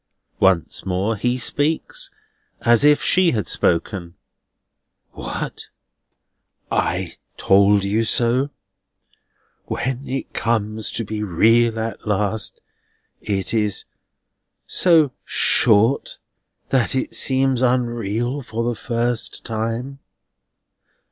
Once more he speaks, as if she had spoken. [Illustration: Sleeping it off] "What? I told you so. When it comes to be real at last, it is so short that it seems unreal for the first time.